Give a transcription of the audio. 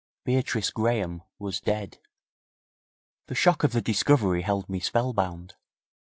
Beatrice Graham was dead. The shock of the discovery held me spellbound.